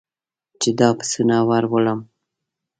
چې دا پسونه ور ولم.